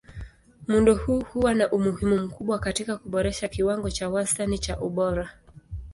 Muundo huu huwa na umuhimu mkubwa katika kuboresha kiwango cha wastani cha ubora.